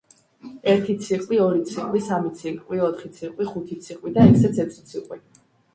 ერთი ციყვი, ორი ციყვი, სამი ციყვი, ოთხი ციყვი, ხუთი ციყვი და ესეც ექვსი ციყვი.